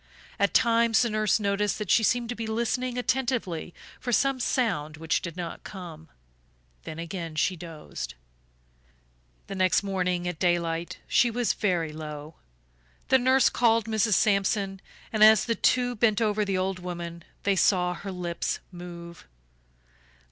At times the nurse noticed that she seemed to be listening attentively for some sound which did not come; then again she dozed. The next morning at daylight she was very low. The nurse called Mrs. Sampson and as the two bent over the old woman they saw her lips move.